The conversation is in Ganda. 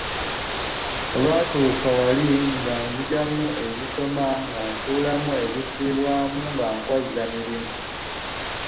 Olwatuukanga wali nga nzigyamu ezisoma nga nsuulamu ezisiibwamu nga nkwazza mirimu.